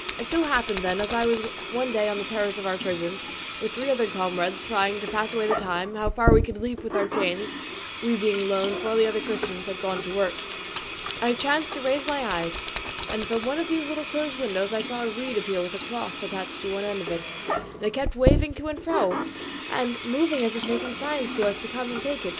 It so happened, then, that as I was one day on the terrace of our prison with three other comrades, trying, to pass away the time, how far we could leap with our chains, we being alone, for all the other Christians had gone out to work, I chanced to raise my eyes, and from one of these little closed windows I saw a reed appear with a cloth attached to the end of it, and it kept waving to and fro, and moving as if making signs to us to come and take it.